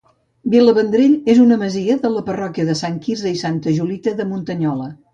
Vilavendrell és una masia de la parròquia de Sant Quirze i Santa Julita de Muntanyola.